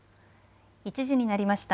１時になりました。